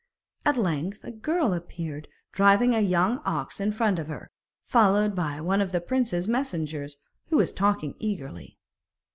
At length a girl appeared driving a young ox in front of her, followed by one of the prince's messengers, who was talking eagerly.